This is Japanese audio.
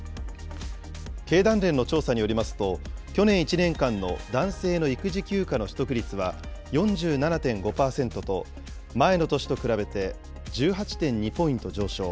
経団連の調査によりますと、去年１年間の男性の育児休暇の取得率は４７．５％と、前の年と比べて１８．２ポイント上昇。